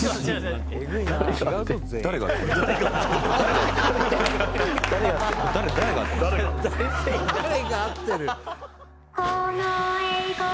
「誰が合ってます？」